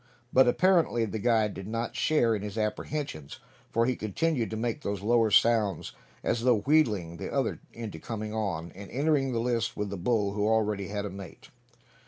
But apparently the guide did not share in his apprehensions; for he continued to make those lower sounds, as though wheedling the other into coming on, and entering the lists with the bull who already had a mate.